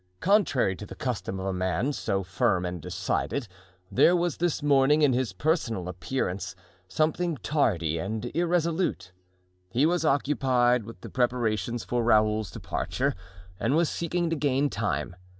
Contrary to the custom of a man so firm and decided, there was this morning in his personal appearance something tardy and irresolute. He was occupied with the preparations for Raoul's departure and was seeking to gain time.